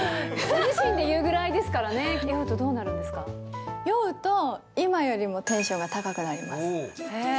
ご自身で言うぐらいですから酔うと、今よりもテンションが高くなります。